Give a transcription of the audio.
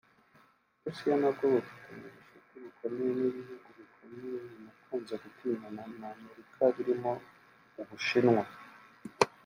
u Burusiya nabwo bufitanye ubucuti bukomeye n’ibihugu bikomeye binakunze gutinyana na Amerika birimo u Bushinwa